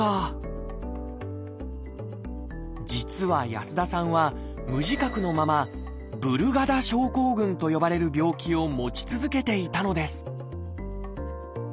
実は安田さんは無自覚のまま「ブルガダ症候群」と呼ばれる病気を持ち続けていたのです